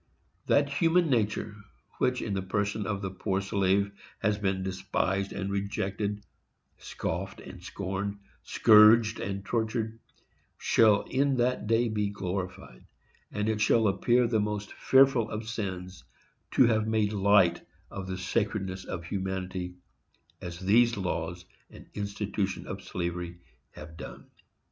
That human nature, which, in the person of the poor slave, has been despised and rejected, scoffed and scorned, scourged and tortured, shall in that day be glorified; and it shall appear the most fearful of sins to have made light of the sacredness of humanity, as these laws and institutions of slavery have done.